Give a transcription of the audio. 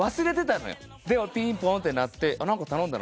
でもピンポンって鳴って「何か頼んだの？」